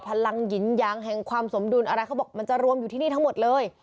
พลังหยินยางแห่งความสมดุลอะไรเขาบอกมันจะรวมอยู่ที่นี่ทั้งหมดเลย